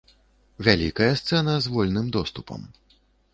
Вялікая сцэна з вольным доступам.